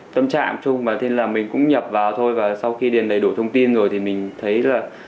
tâm trạng chung và thế là mình cũng nhập vào thôi và sau khi điền đầy đủ thông tin rồi thì mình thấy là